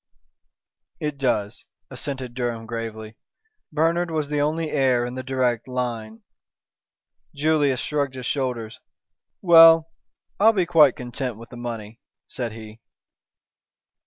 "It does," assented Durham gravely. "Bernard was the only heir in the direct line." Julius shrugged his shoulders. "Well, I'll be quite content with the money," said he.